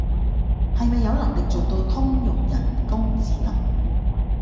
係咪有能力做到通用人工智能